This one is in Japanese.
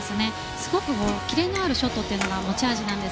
すごくキレのあるショットというのが持ち味なんです。